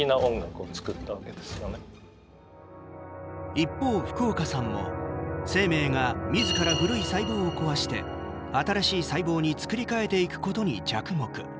一方、福岡さんも生命がみずから古い細胞を壊して新しい細胞に作り変えていくことに着目。